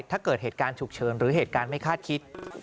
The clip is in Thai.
ถ้าเกิดเหตุการณ์ฉุกเฉินหรือเหตุการณ์ไม่คาดคิด